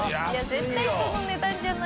絶対その値段じゃない。